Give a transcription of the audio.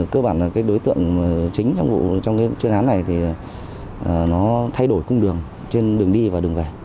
cơ bản là cái đối tượng chính trong cái chuyên án này thì nó thay đổi cung đường trên đường đi và đường về